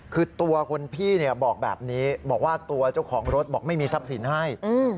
คือตัวคนพี่บอกแบบนี้บอกว่าตัวเจ้าของรถบอกไม่มีทรัพย์สินให้